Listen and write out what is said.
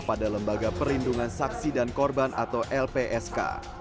pada lembaga perlindungan saksi dan korban atau lpsk